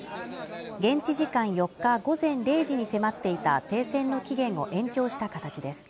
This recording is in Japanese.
現地時間４日午前０時に迫っていた停戦の期限を延長した形です。